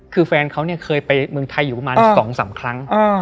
คือแฟนเขาเนี่ยเคยไปเมืองไทยอยู่ประมาณ๒๓ครั้ง